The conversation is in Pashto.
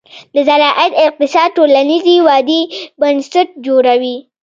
د زراعت اقتصاد د ټولنیزې ودې بنسټ جوړوي.